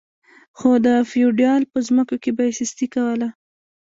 خو د فیوډال په ځمکو کې به یې سستي کوله.